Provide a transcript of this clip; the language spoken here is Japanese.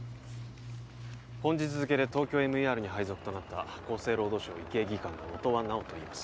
本日付でＴＯＫＹＯＭＥＲに配属となった厚生労働省医系技官の音羽尚といいます